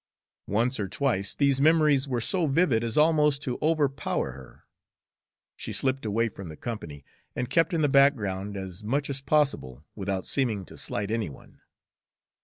Once or twice these memories were so vivid as almost to overpower her. She slipped away from the company, and kept in the background as much as possible without seeming to slight any one.